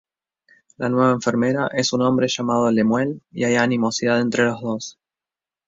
La nueva enfermera es un hombre llamado Lemuel, y hay animosidad entre los dos.